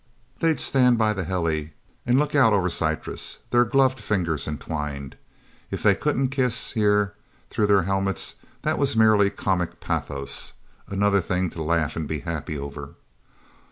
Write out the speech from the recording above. They'd stand by the heli and look out over Syrtis, their gloved fingers entwined. If they couldn't kiss, here, through their helmets, that was merely comic pathos another thing to laugh and be happy over.